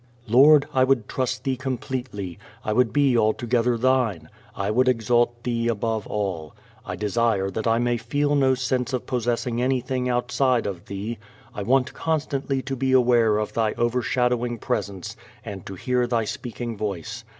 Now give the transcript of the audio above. _Lord, I would trust Thee completely; I would be altogether Thine; I would exalt Thee above all. I desire that I may feel no sense of possessing anything outside of Thee. I want constantly to be aware of Thy overshadowing Presence and to hear Thy speaking Voice.